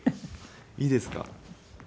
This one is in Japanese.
いいですか？